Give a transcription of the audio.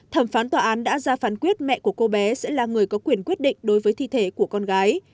thẩm phán tòa án đã ra phán quyết mẹ của cô bé sẽ là người có quyền quyết định đối với thi thể của con gái